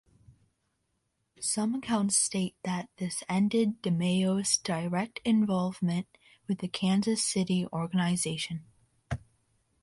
Some accounts state that this ended DeMayo's direct involvement with the Kansas City organization.